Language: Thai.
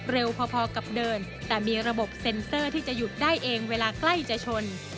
พอกับเดินแต่มีระบบเซ็นเซอร์ที่จะหยุดได้เองเวลาใกล้จะชน